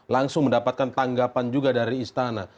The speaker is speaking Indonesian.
langsung mendapatkan tanggapan juga dari istana